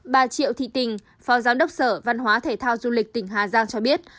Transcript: bà triệu thị tình phó giám đốc sở văn hóa thể thao du lịch tỉnh hà giang cho biết